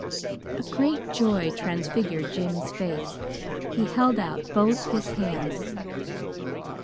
A great joy transfigured Jimmy's face. He held out both his hands.